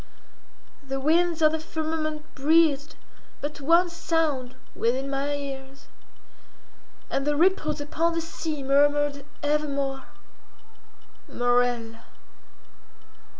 The winds of the firmament breathed but one sound within my ears, and the ripples upon the sea murmured evermore—Morella.